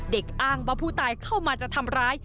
อ้างว่าผู้ตายเข้ามาจะทำร้าย